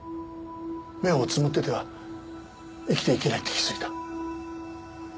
目をつむってては生きていけないって気づいた。